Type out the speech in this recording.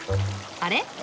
あれ？